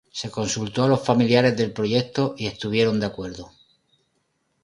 Se consultó a los familiares del proyecto y estuvieron de acuerdo.